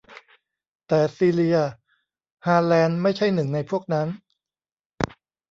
แต่ซีเลีย ฮาร์แลนด์ไม่ใช่หนึ่งในพวกนั้น